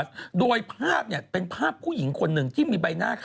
อุ๊ยกระสือที่ไหนแล้วไม่ใช่กระสือไม่มีจริงหรอก